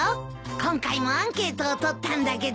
今回もアンケートを取ったんだけど。